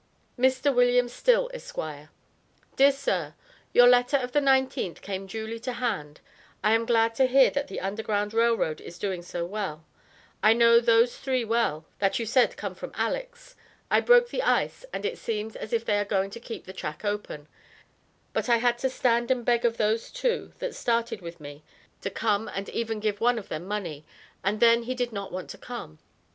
MR. WILLIAM STILL, ESQ. DEAR SIR: Your letter of the 19th came duly to hand I am glad to hear that the Underground Rail Road is doing so well I know those three well that you said come from alex I broke the ice and it seems as if they are going to keep the track open, but I had to stand and beg of those two that started with me to come and even give one of them money and then he did not want to come.